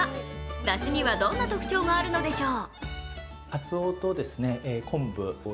だしにどんな特徴があるのでしょう？